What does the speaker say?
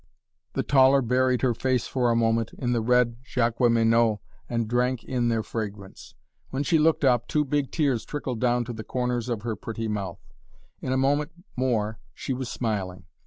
The taller buried her face for a moment in the red Jaqueminots and drank in their fragrance. When she looked up, two big tears trickled down to the corners of her pretty mouth. In a moment more she was smiling!